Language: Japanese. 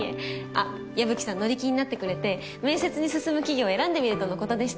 あっ矢吹さん乗り気になってくれて面接に進む企業を選んでみるとのことでした。